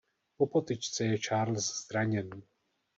Po potyčce je Charles zraněn.